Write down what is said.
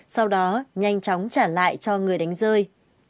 sau đó nhanh chóng trả lại cho người đánh rơi